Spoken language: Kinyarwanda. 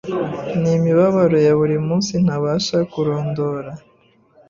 n’imibabaro ya buri munsi ntabasha kurondora.